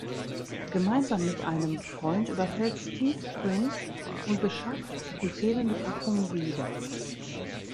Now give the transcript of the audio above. Gemeinsam mit einem Freund überfällt Steve Prince und beschafft die fehlende Packung wieder.